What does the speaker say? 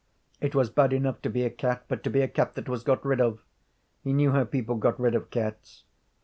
It was bad enough to be a cat, but to be a cat that was 'got rid of'! He knew how people got rid of cats.